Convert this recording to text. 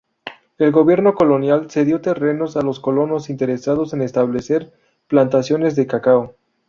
El gobierno colonial cedió terrenos a los colonos interesados en establecer plantaciones de cacao.